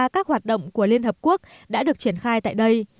các hoạt động của liên hợp quốc đã được triển khai tại đây